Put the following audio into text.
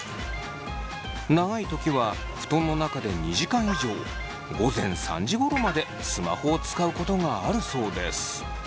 長い時は布団の中で２時間以上午前３時ごろまでスマホを使うことがあるそうです。